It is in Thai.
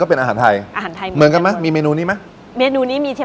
เป็นเทกไว่อย่างเดียว